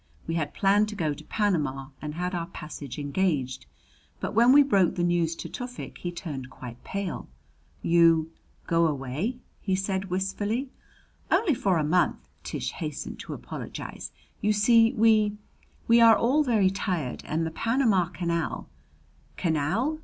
We had planned to go to Panama, and had our passage engaged; but when we broke the news to Tufik he turned quite pale. "You go away?" he said wistfully. "Only for a month," Tish hastened to apologize. "You see, we we are all very tired, and the Panama Canal " "Canal?